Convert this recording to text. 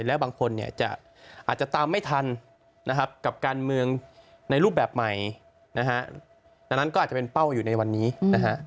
แล้วบางคนเนี่ยจะอาจจะตามไม่ทันนะครับกับการเมืองในรูปแบบใหม่นะฮะดังนั้นก็อาจจะเป็นเป้าอยู่ในวันนี้นะฮะ